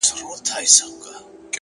ژړا مي وژني د ژړا اوبـو تـه اور اچـوي؛